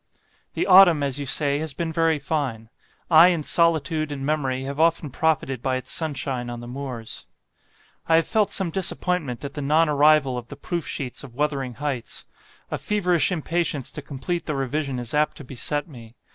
"The autumn, as you say, has been very fine. I and solitude and memory have often profited by its sunshine on the moors. "I had felt some disappointment at the non arrival of the proof sheets of 'Wuthering Heights;' a feverish impatience to complete the revision is apt to beset me.